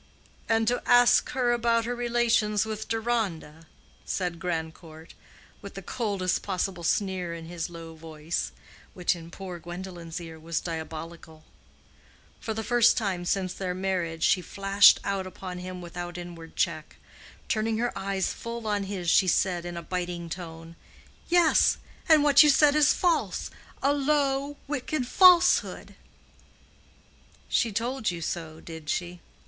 "And to ask her about her relations with Deronda?" said Grandcourt, with the coldest possible sneer in his low voice which in poor Gwendolen's ear was diabolical. For the first time since their marriage she flashed out upon him without inward check. Turning her eyes full on his she said, in a biting tone, "Yes; and what you said is false—a low, wicked falsehood." "She told you so—did she?"